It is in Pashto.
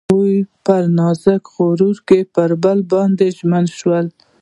هغوی په نازک غروب کې پر بل باندې ژمن شول.